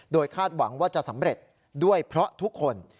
คาดหวังว่าจะสำเร็จด้วยเพราะทุกคน